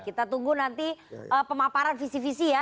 kita tunggu nanti pemaparan visi visi ya